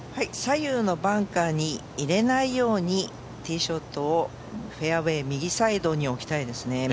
左右のバンカーに入れないようにティーショットをフェアウエー右サイドに置きたいですね。